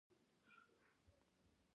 دوی د رالز په وینا د پردې تر شا دي.